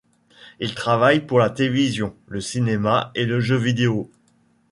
Il travaille pour la télévision, le cinéma et le jeu vidéo.